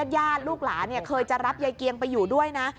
ญาติลูกหลานเคยจะรับยายเกียงไปอยู่ด้วยนะ